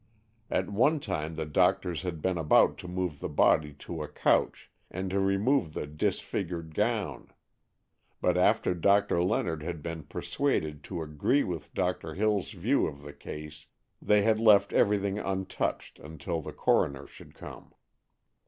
At one time the doctors had been about to move the body to a couch, and to remove the disfigured gown, but after Doctor Leonard had been persuaded to agree with Doctor Hills' view of the case, they had left everything untouched until the coroner should come.